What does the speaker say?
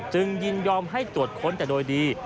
ยินยอมให้ตรวจค้นแต่โดยดี